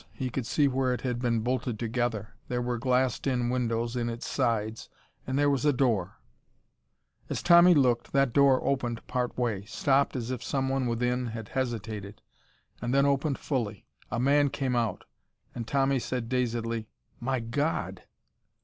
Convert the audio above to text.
He could see where it had been bolted together. There were glassed in windows in its sides, and there was a door. As Tommy looked, that door opened partway, stopped as if someone within had hesitated, and then opened fully. A man came out. And Tommy said dazedly: "My God!"